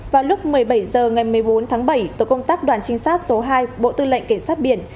vào lúc một mươi bảy h ngày một mươi bốn tháng bảy tổ công tác đoàn trinh sát số hai bộ tư lệnh cảnh sát biển